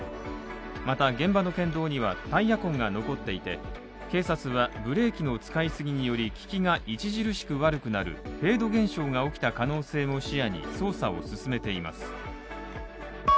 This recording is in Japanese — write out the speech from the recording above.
また、現場の県道にはタイヤ痕が残っていて警察は、ブレーキの使いすぎにより利きが著しく悪くなるフェード現象が起きた可能性も視野に捜査を進めています。